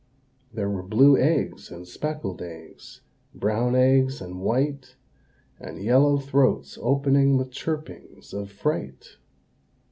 There were blue eggs and speckled eggs, brown eggs and white, And yellow throats opening with chirpings of fright.